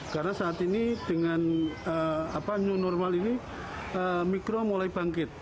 karena saat ini dengan new normal ini mikro mulai bangkit